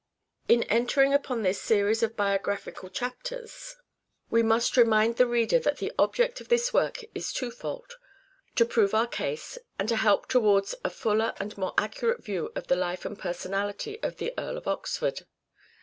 In entering upon this series of biographical chapters we must remind the reader that the object of this work is twofold : to prove our case, and to help towards a fuller and more accurate view of the life and per sonality of the Earl of Oxford.